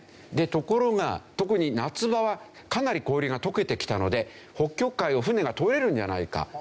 ところが特に夏場はかなり氷が溶けてきたので北極海を船が通れるんじゃないか。